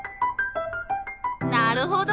なるほど！